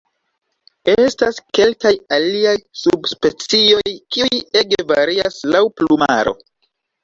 Estas kelkaj aliaj subspecioj kiuj ege varias laŭ plumaro.